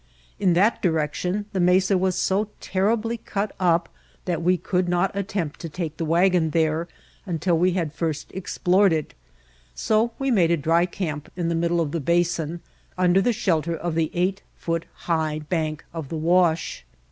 In that direction the mesa was so terribly cut up that we could not attempt to take the wagon there until we had first explored it, so we made a dry camp in the middle of the basin under the shelter of the eight foot high bank of the wash.